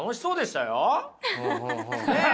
ねえ？